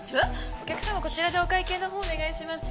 お客様こちらでお会計のほうお願いします。